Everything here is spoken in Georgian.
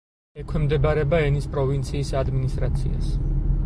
ექვემდებარება ენის პროვინციის ადმინისტრაციას.